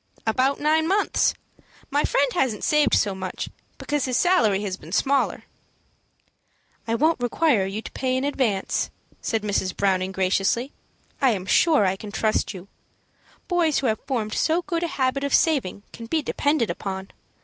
"About nine months. My friend hasn't saved so much, because his salary has been smaller." "I won't require you to pay in advance," said Mrs. Browning, graciously. "I am sure I can trust you. Boys who have formed so good a habit of saving can be depended upon.